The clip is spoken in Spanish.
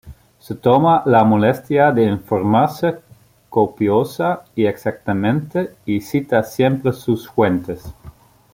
Se toma la molestia de informarse copiosa y exactamente, y cita siempre sus fuentes.